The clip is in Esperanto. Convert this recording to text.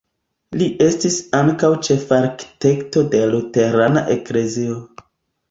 Li estis ankaŭ ĉefarkitekto de luterana eklezio.